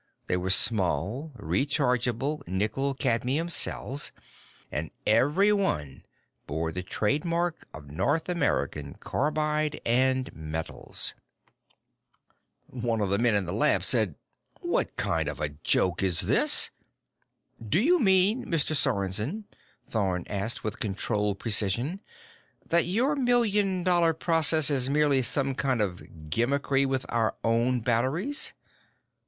They were small, rechargeable nickel cadmium cells, and every one bore the trademark of North American Carbide & Metals! One of the other men in the lab said: "What kind of a joke is this?" "Do you mean, Mr. Sorensen," Thorn asked with controlled precision, "that your million dollar process is merely some kind of gimmickry with our own batteries?"